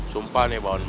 sumpah nih bang